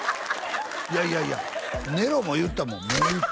いやいやいやネロも言うてたもん